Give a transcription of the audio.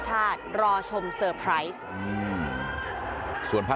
การสอบส่วนแล้วนะ